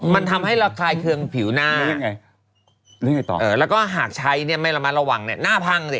มันทำให้ระคายเครื่องผิวหน้าแล้วก็หากใช้เนี้ยไม่มาระวังเนี้ยหน้าพังสิ